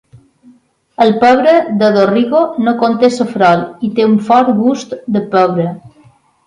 El pebre de Dorrigo no conté safrol i té un fort gust de pebre.